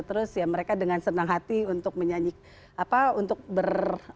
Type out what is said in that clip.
terus ya mereka dengan senang hati untuk menyanyi apa untuk ber